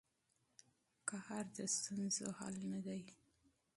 غوسه د ستونزو حل نه دی.